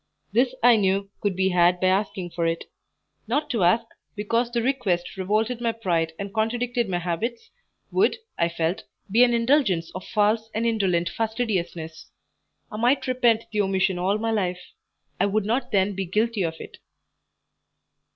This I knew could be had by asking for it; not to ask, because the request revolted my pride and contradicted my habits, would, I felt, be an indulgence of false and indolent fastidiousness. I might repent the omission all my life; I would not then be guilty of it.